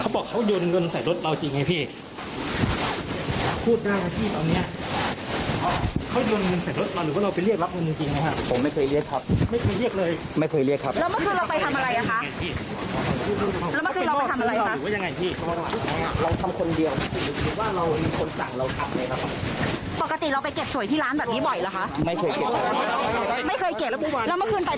ปกติเราไปเก็บสวยที่ร้านแบบนี้บ่อยเหรอคะ